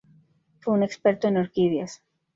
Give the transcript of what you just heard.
Fue un experto en orquídeas.